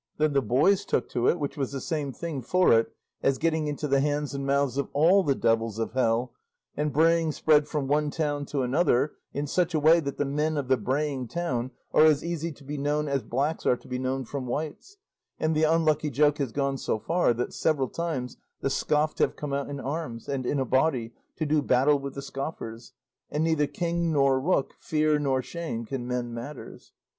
Then the boys took to it, which was the same thing for it as getting into the hands and mouths of all the devils of hell; and braying spread from one town to another in such a way that the men of the braying town are as easy to be known as blacks are to be known from whites, and the unlucky joke has gone so far that several times the scoffed have come out in arms and in a body to do battle with the scoffers, and neither king nor rook, fear nor shame, can mend matters.